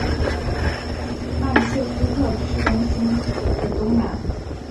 曼彻斯特市中心的东南。